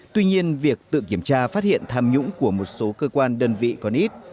tuy nhiên việc tự kiểm tra phát hiện tham nhũng của một số cơ quan đơn vị còn ít